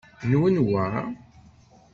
Nwen wa?